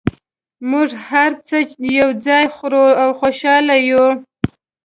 موږ هر څه یو ځای خورو او خوشحاله یو